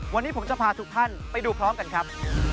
วันนี้ผมจะพาทุกท่านไปดูพร้อมกันครับ